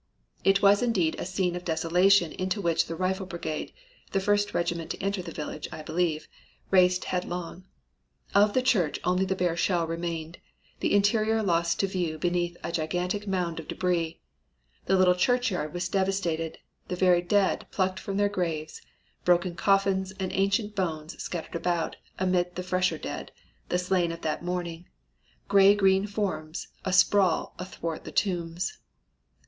"It was indeed a scene of desolation into which the Rifle Brigade the first regiment to enter the village, I believe raced headlong. Of the church only the bare shell remained, the interior lost to view beneath a gigantic mound of debris. The little churchyard was devastated, the very dead plucked from their graves, broken coffins and ancient bones scattered about amid the fresher dead, the slain of that morning gray green forms asprawl athwart the tombs.